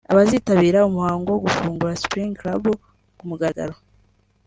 Abazitabira umuhango wo gufungura Spring Club ku mugaragaro